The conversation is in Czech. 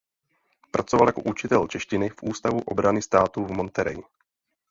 Pracoval jako učitel češtiny v Ústavu obrany státu v Monterey.